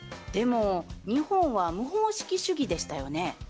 でも日本は無方式主義でしたよね？